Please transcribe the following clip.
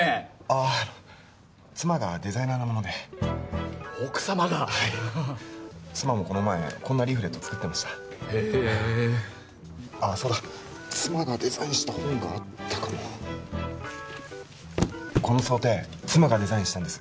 あっ妻がデザイナーなもので奥様がはい妻もこの前こんなリーフレット作ってましたへえっああそうだ妻がデザインした本があったかもこの装丁妻がデザインしたんです